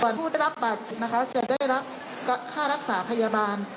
ก่อนผู้ได้รับบัตรจะได้รับค่ารักษาพยาบาล